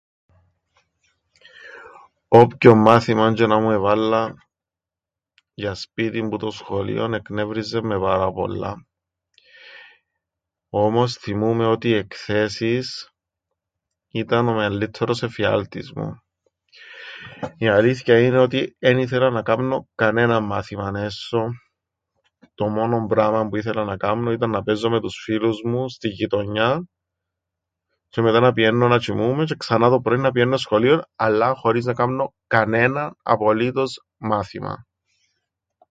Όποιον μάθημαν τζ̆αι να μου εβάλλαν για σπίτιν που το σχολείον εκνεύριζεν με πάρα πολλά. Όμως θθυμούμαι ότι οι εκθέσεις ήταν ο μεαλλύττερος εφιάλτης μου. Η αλήθκεια είναι ότι εν ήθελα να κάμνω κανέναν μάθημαν έσσω. Το μόνον πράμαν που ήθελα να κάμνω ήταν να παίζω με τους φίλους μου στην γειτονιάν τζ̆αι μετά να πηαίννω να τζ̆οιμούμαι τζ̆αι ξανά το πρωίν να πηαίννω σχολείον, αλλά, χωρίς να κάμνω κανέναν απολύτως μάθημαν!